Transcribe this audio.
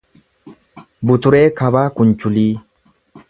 Buturee Kabaa Kunchulii